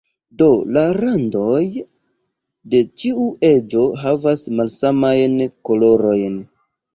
Do la randoj de ĉiu eĝo havas malsamajn kolorojn.